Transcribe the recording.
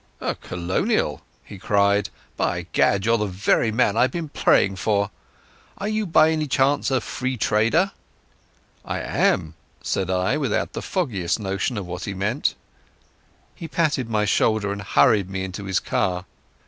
"A colonial," he cried. "By Gad, you're the very man I've been praying for. Are you by any blessed chance a Free Trader?" "I am," said I, without the foggiest notion of what he meant. He patted my shoulder and hurried me into his car.